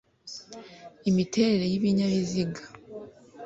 imiterere y’ibinyabiziga